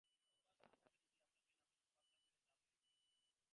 অভ্যাস না থাকে যদি, আপনাকে নাহয় খুব পাতলা করিয়া চা তৈরি করিয়া দিই।